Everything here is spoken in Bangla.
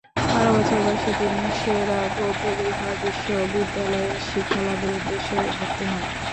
বারো বছর বয়সে তিনি সে-রা বৌদ্ধবিহার বিশ্ববিদ্যালয়ে শিক্ষালাভের উদ্দেশ্যে ভর্তি হন।